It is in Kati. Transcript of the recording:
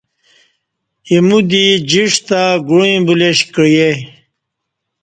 ایمودی جݜٹ تہ گوعی بولیش کعیہ